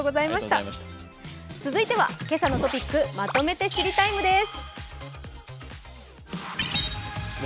続いては「けさのトピックまとめて知りＴＩＭＥ，」です。